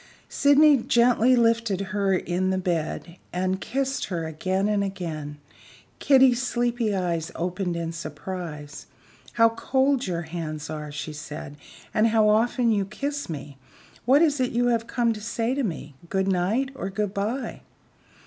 Sydney gently lifted her in the bed, and kissed her again and again. Kitty's sleepy eyes opened in surprise. "How cold your hands are!" she said; "and how often you kiss me. What is it you have come to say to me good night or good by?"